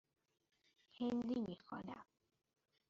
هندی می خوانم.